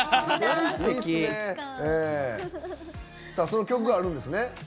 さあその曲があるんですね。